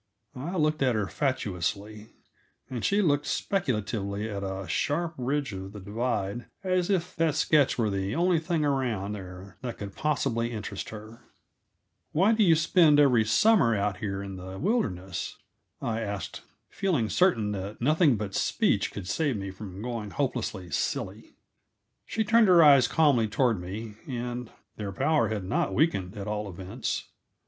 I looked at her fatuously, and she looked speculatively at a sharp ridge of the divide as if that sketch were the only thing around there that could possibly interest her. "Why do you spend every summer out here in the wilderness?" I asked, feeling certain that nothing but speech could save me from going hopelessly silly. She turned her eyes calmly toward me, and their power had not weakened, at all events.